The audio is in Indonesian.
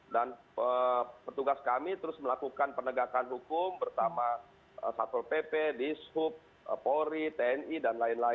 dan petugas kami terus melakukan penegakan hukum pertama satpol pp dishub polri tni dan lain lain